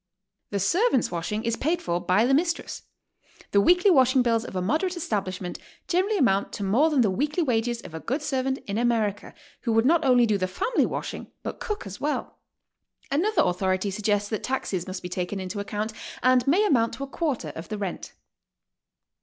The servants' washing IS paid for by the mistress. The weekly washing bills of a moderate establishment generally amount to more than the weekly wages of a good servant in America, who would not only do the family washing, but cook as well." Another authority suggests that taxes must be taken into account and may amount to a quarter of the rent.